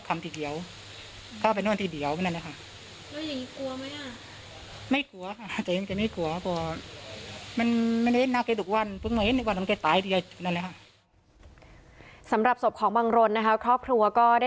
ค่ะแล้วก็ก็จะช่วยพวกเขาที่สดสอดนอนหน่อยนะครับ